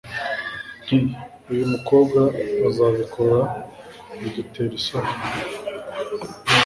nti uyu mukobwa azabikora bidutera isoni